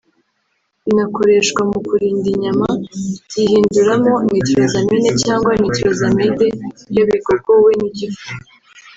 binakoreshwa mu kurinda inyama kubora) byihinduramo Nitrosamines cyangwa Nitrosamides iyo bigogowe n’igifu